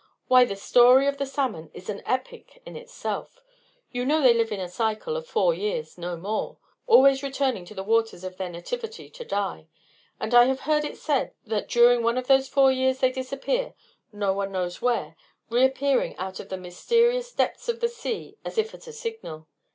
Why, the story of the salmon is an epic in itself. You know they live a cycle of four years, no more, always returning to the waters of their nativity to die; and I have heard it said that during one of those four years they disappear, no one knows where, reappearing out of the mysterious depths of the sea as if at a signal.